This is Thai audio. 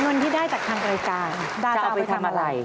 เงินที่ได้จากทางรายการจะเอาไปทำอะไร